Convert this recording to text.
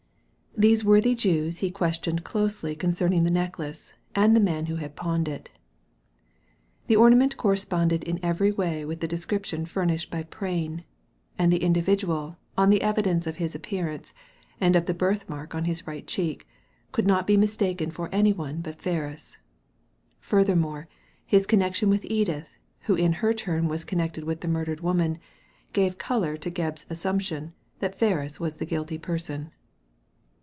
These worthy Jews he questioned closely concerning the necklace, and the man who had pawned it. The ornament corresponded in every way with the de scription furnished by Prain ; and the individual, on the evidence of his appearance, and of the birth mark on his right cheek, could not be mistaken for any one but Ferris. Furthermore, his connection with Edith, who in her turn was connected with the murdered woman^ gave colour to Gebb's assumption that Ferris was the guilty person.